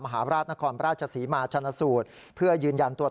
มหาวราชนครพระราชสีมาชาณสุตรเพื่อยืนยันตัวตน